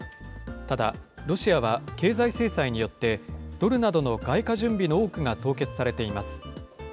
ただ、ロシアは経済制裁によって、ドルなどの外貨準備の多くが凍結されています。